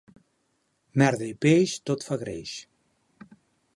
Merda i peix, tot fa greix.